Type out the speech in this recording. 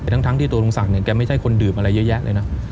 ทั้งที่ตัวลุงศักดิ์แกไม่ใช่คนดื่มอะไรเยอะแยะเลยนะ